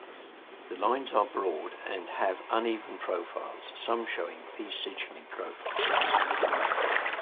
The lines are broad and have uneven profiles, some showing P Cygni profiles.